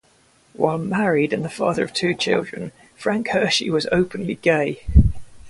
While married and the father of two children, Frank Hershey was openly gay.